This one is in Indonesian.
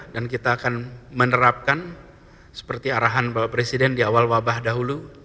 dan kita akan menerapkan seperti arahan bapak presiden di awal wabah dahulu